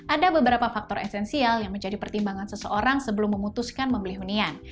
ada beberapa faktor esensial yang menjadi pertimbangan seseorang sebelum memutuskan membeli hunian